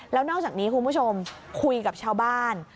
แล้วนอกจากนี้คุณผู้ชมคุยกับชาวบ้าน